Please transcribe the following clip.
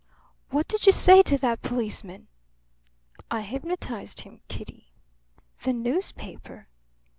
What did you say to that policeman?" "I hypnotized him, Kitty." "The newspaper?"